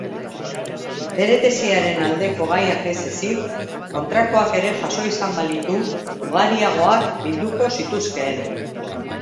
Bere tesiaren aldeko gaiak ez ezik, kontrakoak ere jaso izan balitu, ugariagoak bilduko zituzkeen.